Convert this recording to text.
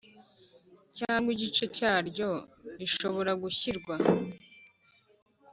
cyangwa igice cyaryo rishobora gushyirwa